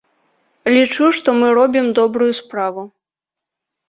Лічу, што мы робім добрую справу.